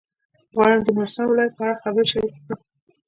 غواړم د نورستان ولایت په اړه خبرې شریکې کړم.